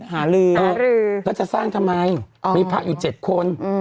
หารื้อเขาจะสร้างทำไมมีพระอยู่๗คน